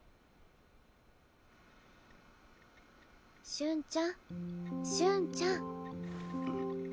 瞬ちゃん瞬ちゃん！